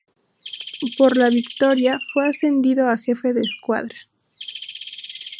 Por la victoria fue ascendido a jefe de escuadra.